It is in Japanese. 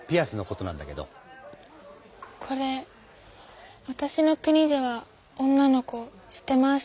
これわたしの国では女の子してます。